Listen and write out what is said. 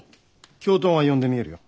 教頭が呼んでみえるよ。